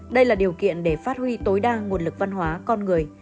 đây là điều kiện để phát huy tối đa nguồn lực văn hóa con người